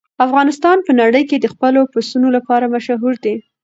افغانستان په نړۍ کې د خپلو پسونو لپاره مشهور دی.